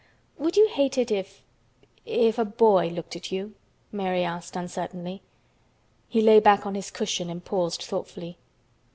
"Would you hate it if—if a boy looked at you?" Mary asked uncertainly. He lay back on his cushion and paused thoughtfully.